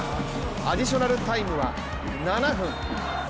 アディショナルタイムは７分。